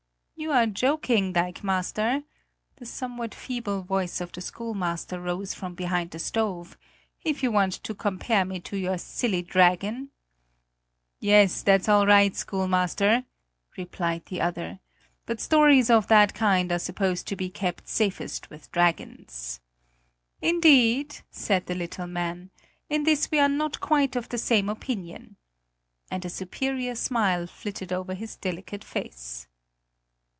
"You are joking, dikemaster!" the somewhat feeble voice of the schoolmaster rose from behind the stove, "if you want to compare me to your silly dragon!" "Yes, that's all right, schoolmaster!" replied the other, "but stories of that kind are supposed to be kept safest with dragons." "Indeed!" said the little man, "in this we are not quite of the same opinion." And a superior smile flitted over his delicate face.